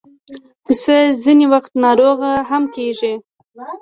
پسه ځینې وخت ناروغه هم کېږي.